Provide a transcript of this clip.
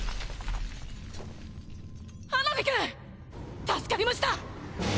ハナビくん！助かりました。